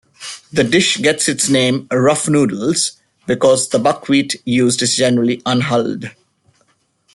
The dish gets its name "rough noodles" because the buckwheat used is generally unhulled.